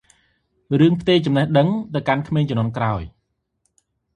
រឿងផ្ទេរចំណេះដឹងនេះទៅកាន់ក្មេងជំនាន់ក្រោយ។